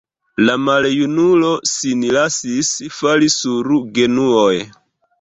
La maljunulo sin lasis fali sur genuoj.